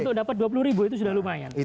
untuk dapat dua puluh ribu itu sudah lumayan